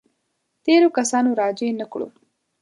تېرو کسانو راجع نه کړو.